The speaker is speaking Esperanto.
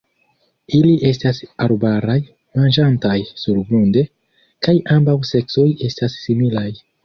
Ili estas arbaraj, manĝantaj surgrunde, kaj ambaŭ seksoj estas similaj.